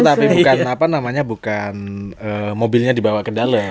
tapi bukan apa namanya bukan mobilnya dibawa ke dalam